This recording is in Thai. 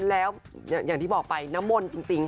แล้วอย่างที่บอกไปน้ำมนต์จริง